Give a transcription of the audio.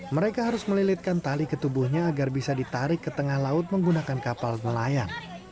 mereka harus melilitkan tali ketubuhnya agar bisa ditarik ke tengah laut menggunakan kapal melayan